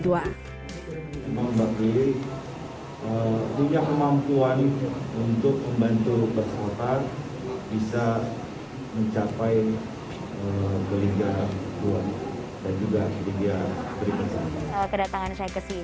untuk membantu pesawat bisa mencapai ke liga dua dan juga ke tiga